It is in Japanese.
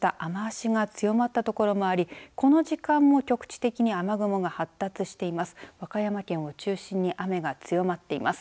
雨足が強まった所もありこの時間も局地的に雨雲が発達しています。